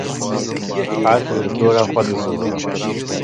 Erd li dora xwe dizivire